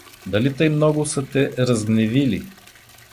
Дали тъй много са Те разгневили?